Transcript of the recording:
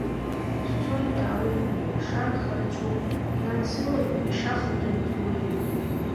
Дцоит, даауеит, ашара харацәоуп, днадсылар ишаха дырдыруеит.